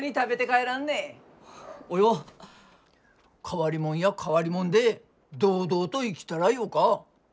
変わりもんや変わりもんで堂々と生きたらよか。